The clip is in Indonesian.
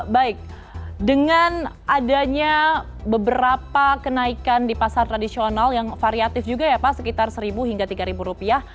baik dengan adanya beberapa kenaikan di pasar tradisional yang variatif juga ya pak sekitar rp satu hingga rp tiga